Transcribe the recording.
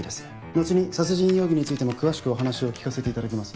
のちに殺人容疑についても詳しくお話を聞かせていただきます。